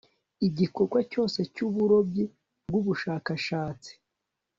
igikorwa cyose cy uburobyi bw ubushakashatsi